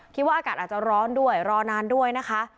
คิดว่าอากาศอาจจะร้อนด้วยรอนานด้วยนะคะ